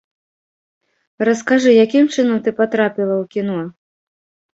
Раскажы, якім чынам ты патрапіла ў кіно?